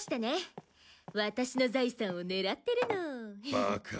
バカ！